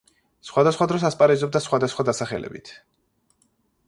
სხვადასხვა დროს ასპარეზობდა სხვადასხვა დასახელებით.